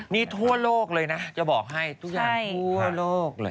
นี่ทั่วโลกเลยนะจะบอกให้ทุกอย่างทั่วโลกเลย